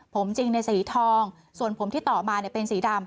ผมจริงในสีทองส่วนผมที่ต่อมาเป็นสีดำ